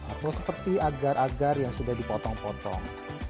atau seperti agar agar yang sudah dipotong potong